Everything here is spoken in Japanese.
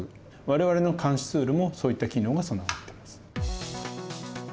我々の監視ツールもそういった機能が備わっています。